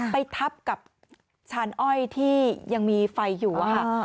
ไปทับกับชานอ้อยที่ยังมีไฟอยู่อะค่ะ